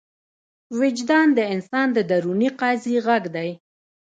وجدان د انسان د دروني قاضي غږ دی.